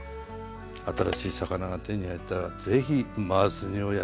新しい魚が手に入ったらぜひマース煮をやってみて下さい。